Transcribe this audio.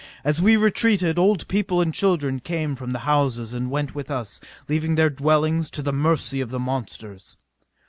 As we retreated, old people and children came from the houses and went with us, leaving their dwellings to the mercy of the monsters.